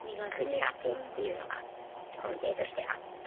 苦手っていうのが根底としてあって。